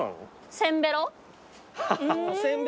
せんべろな。